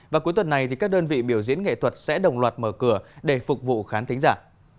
và cuối tuần này các đơn vị biểu diễn nghệ thuật sẽ đồng loạt mở cửa để phục vụ khán thính giả